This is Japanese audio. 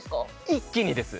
一気にです